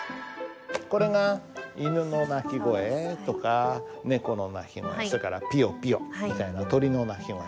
これが犬の鳴き声とか猫の鳴き声それからピヨピヨみたいな鳥の鳴き声。